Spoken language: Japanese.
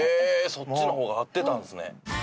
そっちの方が合ってたんですね。